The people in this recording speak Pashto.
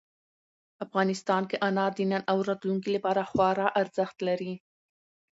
افغانستان کې انار د نن او راتلونکي لپاره خورا ارزښت لري.